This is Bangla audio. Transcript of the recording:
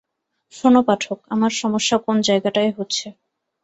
শোন পাঠক, আমার সমস্যা কোন জায়গাটায় হচ্ছে।